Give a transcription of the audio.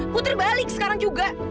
puter balik sekarang juga